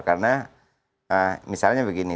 karena misalnya begini